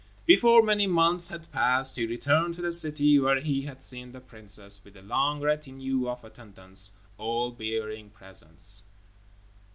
Before many months had passed, he returned to the city where he had seen the princess, with a long retinue of attendants, all bearing presents.